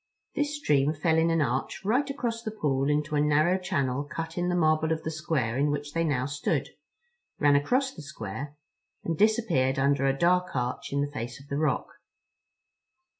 This stream fell in an arch right across the pool into a narrow channel cut in the marble of the square in which they now stood, ran across the square, and disappeared under a dark arch in the face of the rock.